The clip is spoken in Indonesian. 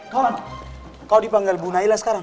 kawan kau dipanggil bu naila sekarang